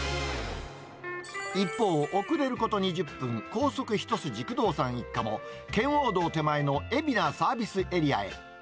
一方、遅れること２０分、高速一筋、工藤さん一家も圏央道手前の海老名サービスエリアへ。